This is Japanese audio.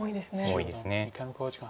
多いです。